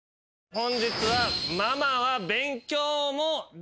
本日は。